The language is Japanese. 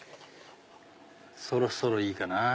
そろそろいいかな？